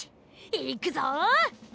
いくぞ！